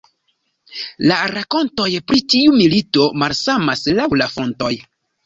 La rakontoj pri tiu milito malsamas laŭ la fontoj.